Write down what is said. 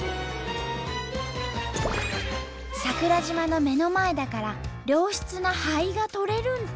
桜島の目の前だから良質な灰がとれるんと！